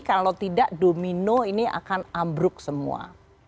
kalau tidak domino ini akan ambruk semua